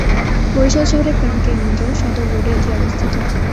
বরিশাল শহরের প্রাণকেন্দ্র সদর রোডে এটি অবস্থিত।